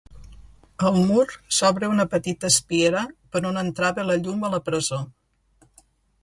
Al mur s'obre una petita espiera per on entrava la llum a la presó.